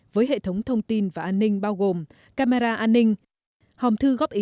với hệ thống thông tin và an ninh bao gồm camera an ninh hòm thư góp ý